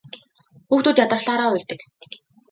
Хүүхдүүд ядрахлаараа уйлдаг.